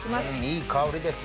いい香りです。